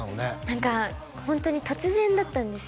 何かホントに突然だったんですよ